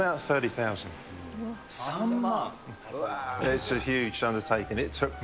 ３万？